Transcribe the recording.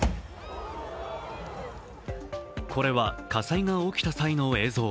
これは火災が起きた際の映像。